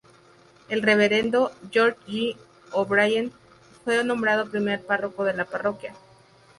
El reverendo George J. O'Brien fue nombrado primer párroco de la parroquia.